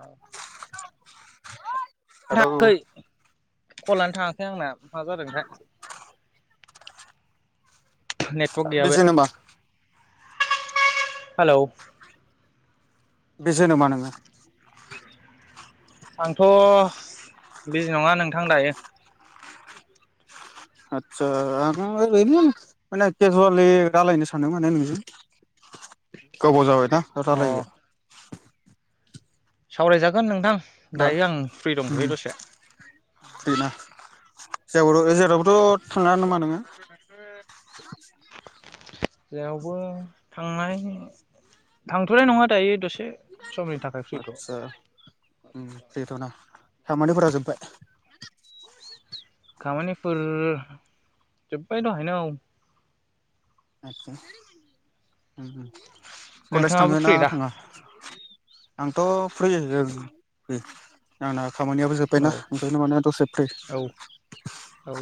औ hello [inaudible] call' आनो थांङाखै आंना मा जादों थाय ओ बिजि नामा? हेलौ बेजो नामा नोंङो? आंथ' बिजि नङा नोंथां दायो । आतसा आं ओरैनो माने केजुवलि दालायनो सानो माने नोंजों गोबाव जाबाय ना अ रालायैया। सावरायजागोन नोंथां। दा दायो आं फ्रि उम दंथयो दसे। जेआवबोथ' जेरावबोथ' थांङा नामा नोङो? जेरावबो थांनाय थांथ'नाय नङा दायो दसे समनि थाखाय फ्रिथ' आतसा उम फ्रिथ' ना खामानिफोरा जोबबाय? खामानिफोर जोबबाय दहायनो औ। आतसा उम-उम कलेज नोंथाङाबो थांङो ना फ्रि दा थांङा? आंथ' फ्रि जोर फ्रि आंना खामानियाबो जोबबायना औ ओंखायनो माने दसे फ्रि। औ औ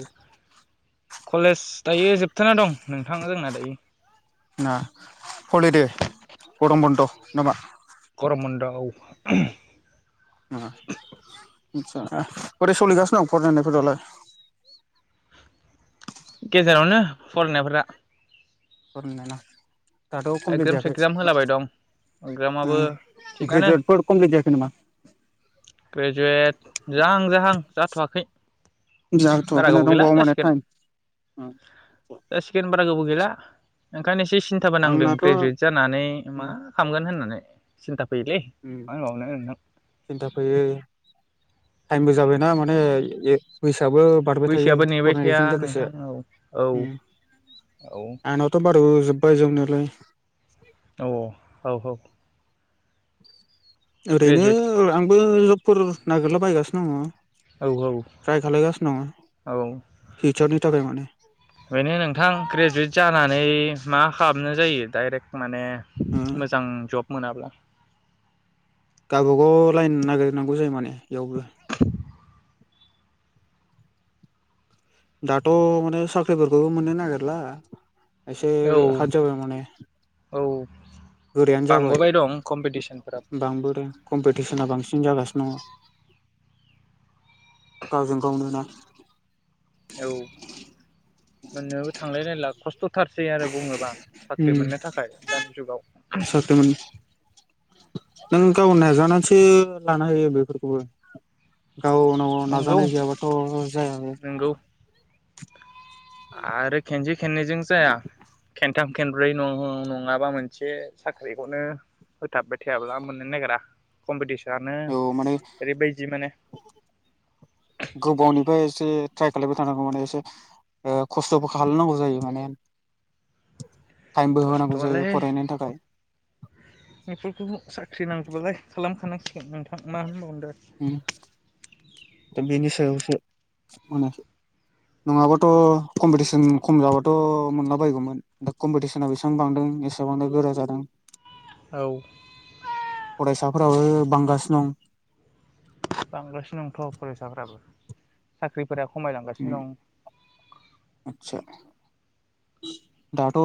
कलेज दायो जोबथना दं नोंथां जोंना दायो । ना हलिदे गरम बन्द' नामा? गरम बन्द' औ [unintelligible] ना आचसा बोरै सलिगासिनो दं फरायनायफोरालाय? गेजेरावनो फरायनायफोरा। फोर नुनायना दाथ' कमप्लिट एगजाम जायाखै सेगजाम होलाबाय दं ओ एगजामाबो थिगानो ग्रेजुवेटफोर कमप्लिट जायाखै नामा? ग्रेजुवेट जाहां जाहां जाथ'वाखै। बारा जाथ'वाखैना गोबाव गैला दंबावो माने जासिगोन टाइम आ जासिगोन बारा गोबाव गैला ओंखायनो ए से सिन्थाबो नांदों। आंनाथ' ग्रेजुवेट जानानै मा उम खामगोन होननानै। सिन्था फैयोलै उम मा होनबावनो नोंथां सिन्था फैयो। टाइमबो जाबायना माने ए बै सोयाबो बारबाय थायो बैसोआबो नेबाय थाया फरायनायजों लोगोसे नोंथां औ औ औ आंनावथ' बारजोब बोयजोयावम [unintelligible] नालाय औ औ औ ओरैनो ग्रेजुवेट ओ आं बो जबफोर नागिरलाबायगासिनो दङ। औ औ ट्रायखालाय गास नङा औ फिचारनि थाखाय माने [inaudible] बेनो नोंथां ग्रेजुवेट जानानै मा खालामनाय जायो डाइरेक्ट माने ओ मोजां जब मोनाब्ला गावबागाव लाइन नागिरनांगौ जायो माने बेयावबो दाथ' माने साख्रिफोरखौबो मोननो नागिरला एसे औ हाद जाबाय माने औ गोरायानो जाबाय बांबोबाय दं कम्पिटिसनफोराबो बांबोदों कम्पिटिसना बांसिन जागासिनो न' गावजों गावनो ना [inaudible] औ मोननोबो थांलायलायला खस्थ'थारसै आरो बुङोबा साख्रि उम मोननो थाखाय दानि जुगाव साख्रि मोन नों गाव नाजानानैसो लानो हायो बेफोरखौबो गावनाव नंगौ नाजानाय गैयाबाथ' जायाबो नंगौ आरो खेनसे खेननैजों जाया खेन थाम खेब्रै नङाबा मोनसे साख्रिखौनो होथाबबाय थायाब्ला मोननो नागिरा कम्पिटिसन औ माने गोबावनिफ्राय एसे ट्राय खालबाय थानांगौ माने एसे खस्थ'बो खालामलनांगौ जायो माने टाइमबो होनांगौ जायो खस्थ'आलाय फरायनायनि थाखाय बेफोरखौ साख्रि नांगौबालाय खालामखानो नोंथां मा होनबावनो उम दा दा बेनि सायावसो माने नङाबाथ' कम्पिटिसन खम जाबाथ' मोनला बायगौमोन दा कम्पिटिसना बेसेबां बांदों एसेबां गोरा जादों औ फरायसाफोराबो बांगासिनो दं बांग्रासिनो दंथ' फरायसाफ्राबो साख्रि फोरा उम खमायलांगासिनो दं बि [inaudible] दाथ'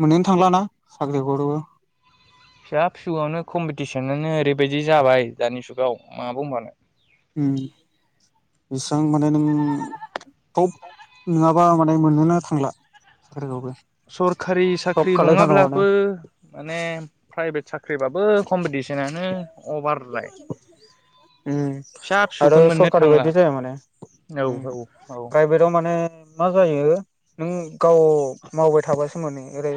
मोनाय [inaudible] थांलाना साख्रिखौबो फिसा फिसौनो कम्पिटिसनानो ओरैबायदि जाबाय दानि जुगाव मा बुंबावनो बेसेबां माने नों थब नङाबा माने मोननोनो थांला साख्रिखौबो सरखारि जब साख्रि खालायथारनांगौ माने नङाब्लाबो माने प्राइभेट होमबाबो कम्पिटिसनानो अभार जायो आरो फिसौखौनो मोननो सरकारि थांला बायदि जाया माने औ औ प्राइभेटाव माने मा जायो नों गाव मावबाय थाबा सोमोनदै ओरै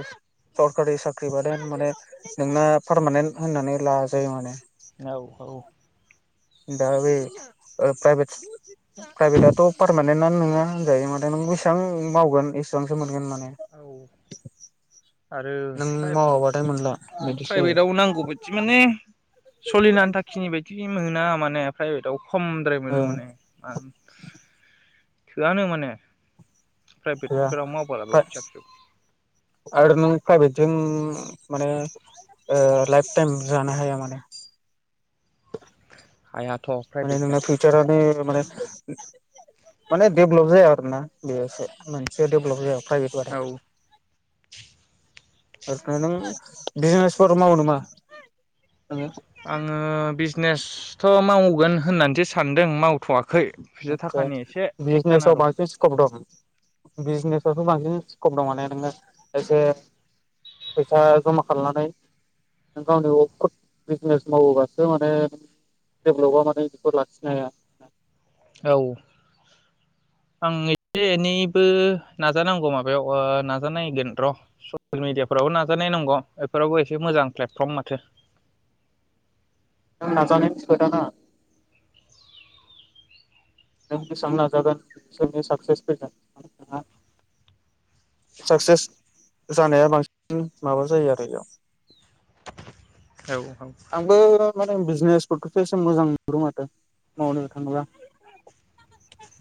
सरकारि साख्रि बाद माने नोंना पारमानेन्ट होननानै लाजायो माने औ औ दा बे प्राइभेट प्राइभेटआथ' पारमानेन्टनो नङा होनजायो माथो नों बेसेबां मावगोन एसेबांसो मोनगोन मान औ आरो नों मावाबाथाय मोनला बिदिसो प्राइभेटआव नांगौ बायदि माने सोलिनानै थाखाखिनि बायदि मोना माने प्राइभेटाव खमद्राय मोनो जायो माने मा थोआनो माने प्राइभेट गैया फोराव मावब्लाबो आरो नों प्राइभेटजों माने लाइफ टाइम जानो हाया माने हायाथ' माने प्राइभेटजों जोंना फिउचारानो माने माने डेभेलप जाया आरो ना बियो मानसि देभेलप जाया प्राइभेट बथाय औ ओंखायनो नों [inaudible] बिजनेसफोर मावनोामा नोङो आङो बिजनेसथ' मावगोन होननानैसो सानदों मावथ'वाखै फैसा आसा थाखानि एसे थेक जाना बिजिनेसाव दं बांसिन स्कप दं। बिजनेसथ' बांसिन स्कब दं माने नोङो एसे फैसा जमा खालामनानै नों गावनि अ बिजनेस मावोबासो माने डेभलपा माने बेखौ लाखिनो हाया औ आं एसे एनैबो नाजानांगौ माबायाव नाजानायगोन र' ससियेल मिेडियाफोरावबो नाजानाय नांगौ बेफोरावबो एसे मोजां प्लेटफर्म माथो नाजानायनिसो‌ खोथाना बेसेबां नाजागोन एसेनो साक्चेस फैगोन साक्सेस जानाया बांसिन माबा जायो आरो बेयाव औ औ आंबो माने बिजनेसफोरखौसो एसे मोजां नुदों माथो मावनो थाङोब्ला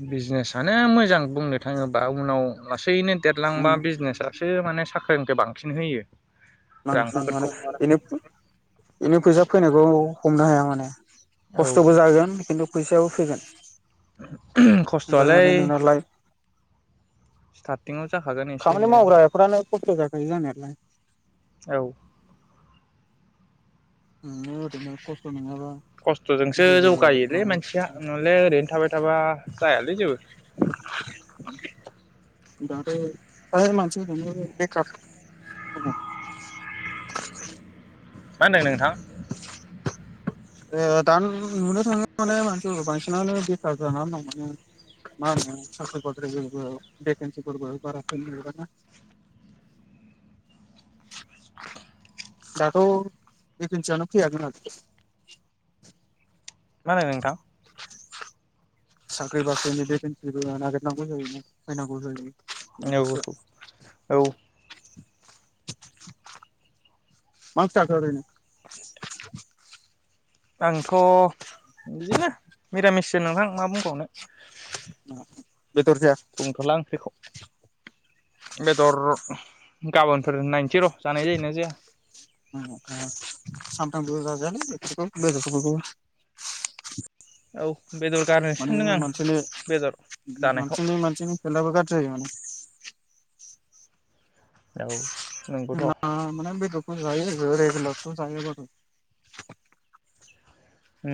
बिजनेसानो मोजां बुंनो थाङोबा उनाव लासैनो देरलांबा उम बिजनेसासो माने साख्रिनिफ्राय बांसिन होयो । [unintelligible] बेनि बेनो फैसा फैनायखौ हमनो हाया । माने औ खस्थ'बो जागोन खिन्थु फैसायाबो फैगोन ओमफ्राय माने खस्थ'आलाय नोंनालाय स्टार्टिंआव जाखागोन एसे खामानि एनैयानो मावग्रा फ्रानो खस्थ' जाखायो जानायालाय । औ [unintelligible] खसथ'नङाबा खस्थ'जोंसो जौगायोलै मानसिया नहले ओरैनो थाबाय थाबा जायालै जेबो दा बे फ्राय मानसियानो बेखार दङ । मा नोंथां दा नुनो थाङो माने मानसिफोर बांसिनानो बेखार जानानै दं माने मा होनो साख्रि बाख्रिफोरबो भेकन्सिफोरबो बारा होनो नागिरा ना दाथ' भेकेनसियानो फैया । मा होनदों नोंथां? [inaudible] साख्रि बाख्रिनि भेकेनसिफोर फैयोबा नागिरनांगौ जायो ना होनांगौ जायो । औ औ मा ओंख्रै जाखो ओरैनो? आंथ' बिदिनो मिरामिसो नोंथां मा बुंबावनो? [unintelligible] बेदर जाया बुंथ'ला ओंख्रिखौ बेदर गाबोनफोर नायनोसै र' जानाय जायोना जाया? सानफ्रोमबो जाजायालै बेदरफोरखौबो औ बेदर गारनोसो माने सानदों आं मानसिनि बेदर जानायखौ मानसिनि हेल्ताबो गाज्रि जायो माने । औ नंगौथ' [unintelligible] जायो [unintelligible]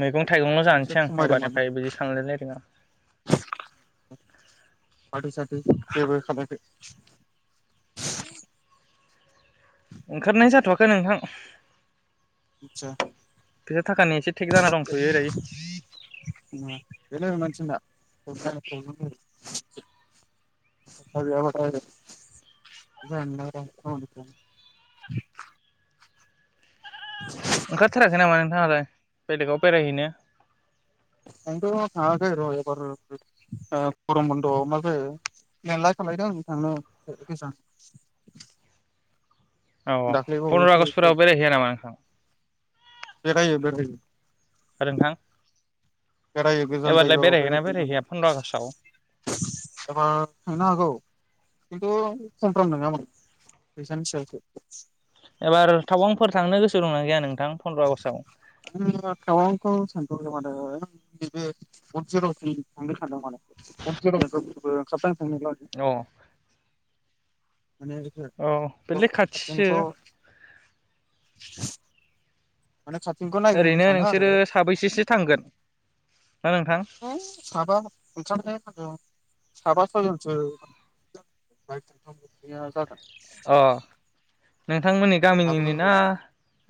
मेगन थाइगंल एसे जानोसै आं खमायदों माने एबारनिफ्राय बिदि सानलायलायदों आ फार्थि सार्थि जेबो खालायाखै ओंखारनाय जाथ'वाखै नोंथां । आदसा थेक जाना दंथ'यो ओरै बेनो मानसिना [unintelligible] [inaudible] ओंखारथाराखै नामा नोंथाङालाय बेलेगाव बेरायहैनो? आंथ' थाङाखै र' एबार गरम बन्द'आव मा जायो [unintelligible] खालायदों [unintelligible] औ दाख्लै फन्द्र' बावैसो एसे आगषटफोराव बेरायहैया नामा नोंथां बेरायो बेरायो आरो नोंथां बेरायो गोजान एबारलाय जायगायाव बेरायहैगोना बेरायो बेरायहैया पन्द्र' आगष्टआव एबार थांनो हागौ खिन्थु खमफ्राम नङामोन फैसानि सायावसो एबार थावउांफोर थांनो गोसो दंना गैया नोंथां पन्द्र' आगष्टआव आङो थावांखौ सानथवाखै माथो [unintelligible] सानदो माने [unintelligible] अ माने औ बेलाय खाथिसो खाथिनिखौ [inaudible] माने खाथिनिखौ नायग्रोनो ओरैनो सानो नोंसोरो आरो साबैसेसो थांगोन ना नोंथां साबा ओंखारनो होदों साबा सयजन सो [unintelligible] जागोन अ नों नोंथांमोननि दाबो गामिनिनो ना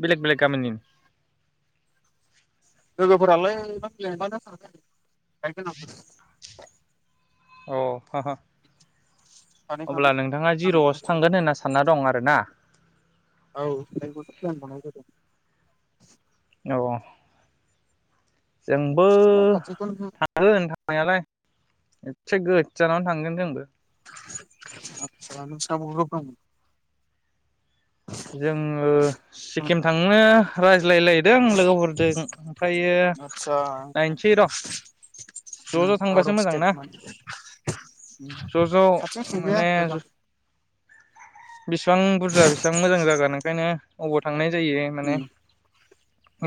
बेलेग बेलग गामिनि लोगोफोरालाया [unintelligible] बायेक गोनां [unintelligible] अ सानै सानै अब्ला नोंथाङा जानानै जिर'आवसो थांजायो थांगोन होनना सानना दं आरो ना औ [unintelligible] खालामबावनाय जादों औ जोंबो खाथिखौनो थागोन थांनायालाय एसे गोदजानावनो थांगोन जोंबो [unintelligible] जोङो सिक्किम थांनो राय ज्लायलायदों लोगोफोरदों ओमफ्रायो आदसा नायनिसै र' ज' ज' आउट थांबासो अफ मोजां स्टेट ना माने ज' ज' खाथिजों थांजाया माने गोजान बेसेबां बुरजा बेसिबां मोजां जागोन ओंखायनो अबाव थांनाय जायो माने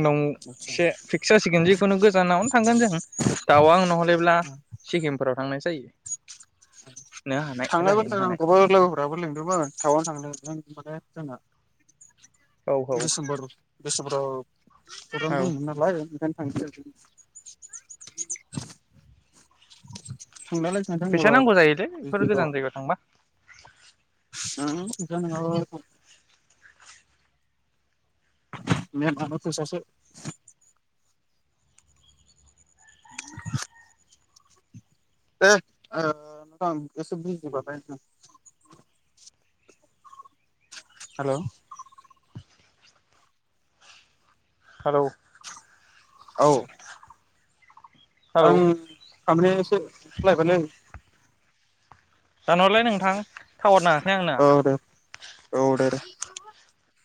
उनाव आदसा एसे फिक्स जासिगोन जिखुनु गोजानावनो थांगोन जों तावां नहलेब्ला सिकिमफोराव थांनाय जायो। थांनाय जाहैनो बोसोर हानाय आंखौबो लोगोफोराबो लिंदोमोन थावां थांदोंमोन माने जोंना औ दिसेम्बर दिसेम्बराव फग्राम औ दंमोन नालाय ओंखायनो [unintelligible] [inaudible] सानदों फैसा र' नांगौ जायोलै बेफोर गोजान जायगायाव थांबा उम फैसा नोङाबा मेनानो फैसासो [inaudible] दे ओ नोथां एसे [unintelligible] हेलौ हेलौ औ हेलौ आं [unintelligible] [unintelligible] दानहरलाय नोंथां टावार नाङाखै आंना औ दे औ [unintelligible]